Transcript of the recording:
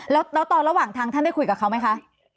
แล้วตอนระหว่างทางท่านได้คุยกับเขาไหมคะ